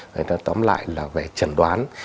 người ta tóm lại là về chẩn đoán